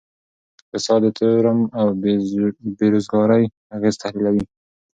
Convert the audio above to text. اقتصاد د تورم او بیروزګارۍ اغیز تحلیلوي.